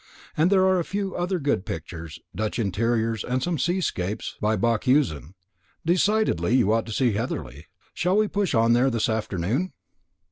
And there are a few other good pictures Dutch interiors, and some seascapes by Bakhuysen. Decidedly you ought to see Heatherly. Shall we push on there this afternoon?"